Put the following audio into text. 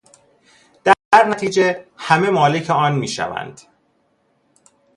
در نتیجه همه مالک آن می شوند